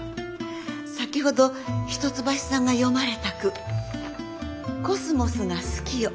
先ほど一橋さんが詠まれた句「秋桜が好きよ